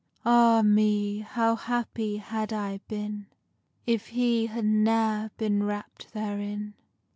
Ah me! how happy had I been, If he had ne'er been wrapt therein.